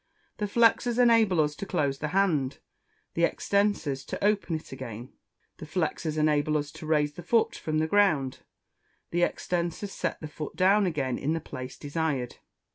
The flexors enable us to close the hand, the extensors to open it again. The flexors enable us to raise the foot from the ground; the extensors set the foot down again in the place desired.